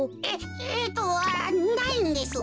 えっとないんです。